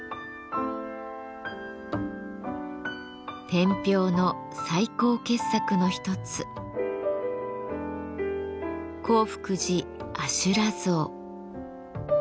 天平の最高傑作の一つ興福寺阿修羅像。